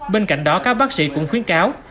bên cạnh đó các bác sĩ cũng khuyến cáo